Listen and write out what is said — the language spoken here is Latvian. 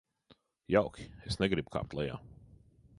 Jauki, es negribu kāpt lejā.